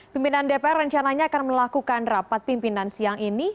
pimpinan dpr rencananya akan melakukan rapat pimpinan siang ini